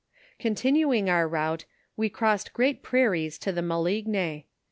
Continuing our route, we crossed great prairies to the Ma ligne.